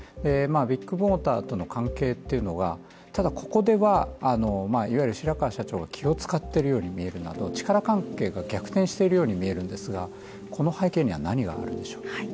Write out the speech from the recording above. ビッグモーターとの関係というのが、ただ、ここではいわゆる白川社長が気を使っているように見えるなど力関係が逆転しているように見えるんですがこの背景には何があったんでしょうか。